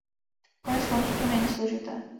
Konec konců, to není složité!